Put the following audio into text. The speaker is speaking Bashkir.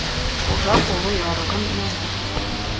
Хужа ҡулы ярығын ямай.